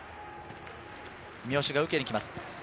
三好が受けにきます。